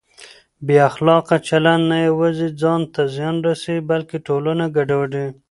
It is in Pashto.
بې اخلاقه چلند نه یوازې ځان ته زیان رسوي بلکه ټولنه ګډوډوي.